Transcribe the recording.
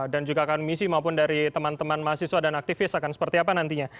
dan juga akan misi maupun dari teman teman mahasiswa dan aktivis akan seperti apa nantinya